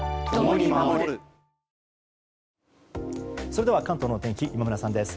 それでは関東の天気今村さんです。